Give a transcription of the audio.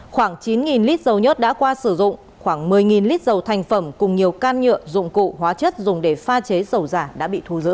khoảng chín lít dầu nhất đã qua sử dụng khoảng một mươi lít dầu thành phẩm cùng nhiều can nhựa dụng cụ hóa chất dùng để pha chế dầu giả đã bị thu giữ